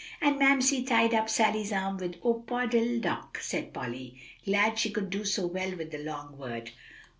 "And Mamsie tied up Sally's arm with opodeldoc," said Polly, glad she could do so well with the long word.